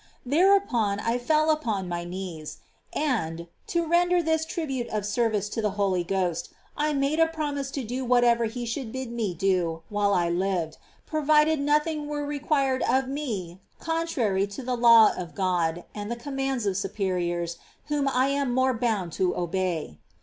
Thereupon I fell upon my knees, and, to render this tribute of service to the Holy Ghost, made a promise to do whatever he should bid me do while I lived, provided nothing were required of me contrary to the law of God and the commands of superiors whom I am more bound to obey.